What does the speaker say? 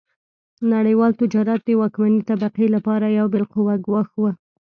نړیوال تجارت د واکمنې طبقې لپاره یو بالقوه ګواښ و.